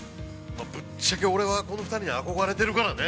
◆ぶっちゃけ俺は、この２人に憧れてるからね。